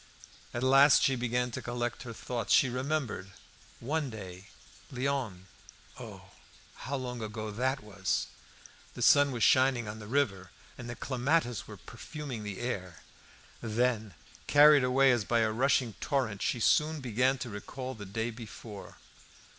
At last she began to collect her thoughts. She remembered one day Léon Oh! how long ago that was the sun was shining on the river, and the clematis were perfuming the air. Then, carried away as by a rushing torrent, she soon began to recall the day before.